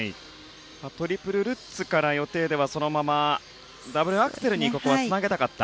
トリプルルッツから予定ではそのままダブルアクセルにここはつなげたかった。